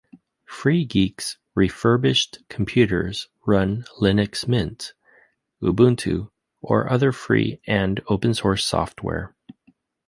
Free Geek's refurbished computers run Linux Mint, Ubuntu or other free and open-source software.